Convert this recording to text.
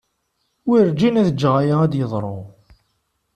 Werǧin ad ǧǧeɣ aya ad d-yeḍru.